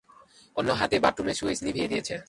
অন্য হাতে বাথরুমের সুইচ নিভিয়ে দিয়েছে।